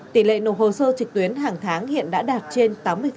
tỷ lệ nộp hồ sơ trực tuyến hàng tháng hiện đã đạt trên tám mươi